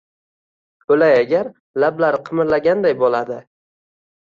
O’lay agar, lablari qimirlaganday bo‘ladi.